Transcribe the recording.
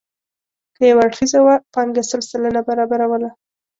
که یو اړخیزه وه پانګه سل سلنه برابروله.